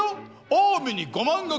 近江に５万石。